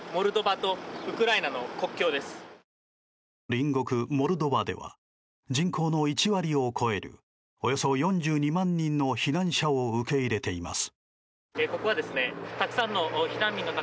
隣国モルドバでは人口の１割を超えるおよそ４２万人の避難者を受け入れています。